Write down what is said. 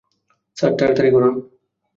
Sir, তাড়াতাড়ি করুন।